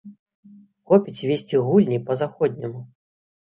Хопіць весці гульні па-заходняму.